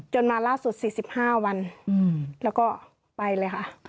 มาล่าสุด๔๕วันแล้วก็ไปเลยค่ะ